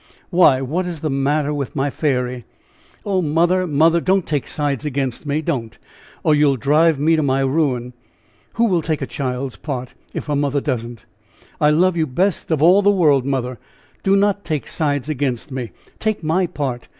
"Why, what is the matter with my fairy?" "Oh, mother, mother, don't take sides against me! don't! or you will drive me to my ruin. Who will take a child's part, if her mother don't? I love you best of all the world, mother. Do not takes sides against me! take my part!